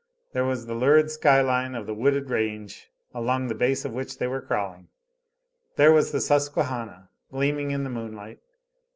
There was the lurid sky line of the wooded range along the base of which they were crawling. There was the Susquehannah, gleaming in the moon light.